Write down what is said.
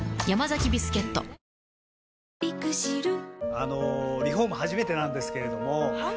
あのリフォーム初めてなんですけれどもはい。